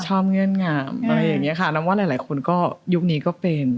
เงื่อนงามอะไรอย่างนี้ค่ะเราว่าหลายคนก็ยุคนี้ก็เป็น